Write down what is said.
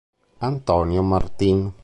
Antonio Martín